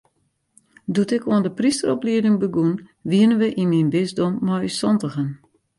Doe't ik oan de prysteroplieding begûn, wiene we yn myn bisdom mei ús santigen.